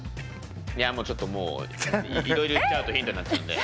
いやちょっともういろいろ言っちゃうとヒントになっちゃうので。